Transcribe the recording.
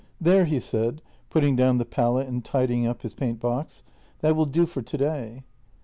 " There," he said, putting down the palette and tidying up his paint box. " That will do for today."